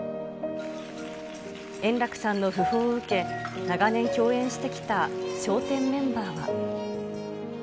円楽さんの訃報を受け、長年共演してきた笑点メンバーは。